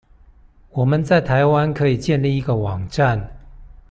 我們在台灣可以建立一個網站